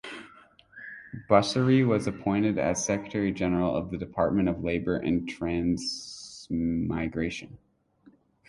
Busiri was appointed as the Secretary General of the Department of Labor and Transmigration.